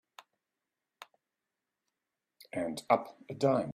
And up a dime.